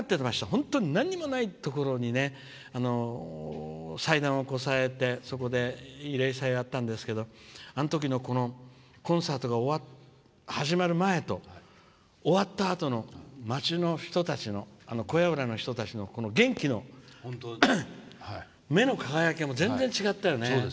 本当になんにもないところに祭壇をこさえてそこで慰霊祭をやったんですけどあのときのコンサートが始まる前と終わったあとの町の人たちの小屋浦の人たちの元気の目の輝きが全然、違ったよね。